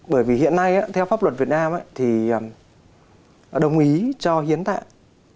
bởi vì hiện nay theo pháp luật việt nam thì đồng ý cho hiến tạng